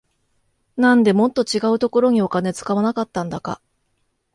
なんでもっと違うところにお金使わなかったんだか